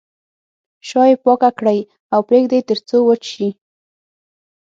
شا یې پاکه کړئ او پرېږدئ تر څو وچ شي.